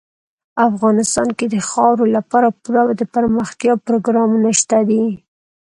افغانستان کې د خاورې لپاره پوره دپرمختیا پروګرامونه شته دي.